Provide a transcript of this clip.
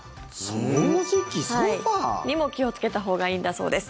掃除機、ソファ？にも、気をつけたほうがいいんだそうです。